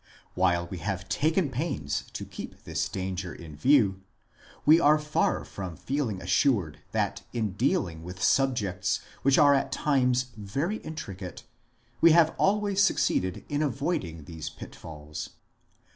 While we have taken pains to keep this danger in view, we are far from feeling assured that in dealing with subjects which are at times very intricate we have always succeeded in avoiding these pitfalls.